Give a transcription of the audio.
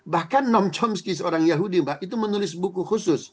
bahkan noam chomsky seorang yahudi mbak itu menulis buku khusus